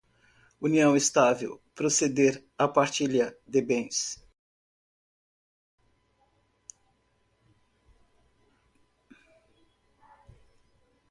união estável, proceder à partilha de bens